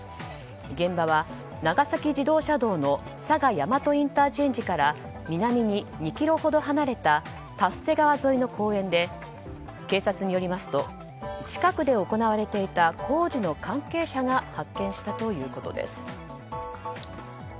現場は長崎自動車道の佐賀大和ＩＣから南に２ｋｍほど離れた多布施川の公園で警察によりますと近くで行われていた工事の関係者が発見したということです。